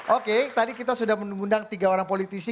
oke tadi kita sudah mengundang tiga orang politisi